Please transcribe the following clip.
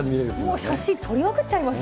もう写真撮りまくっちゃいま